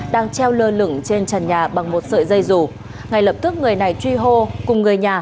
đang treo lơ lửng trên trần nhà bằng một sợi dây dù ngay lập tức người này truy hô cùng người nhà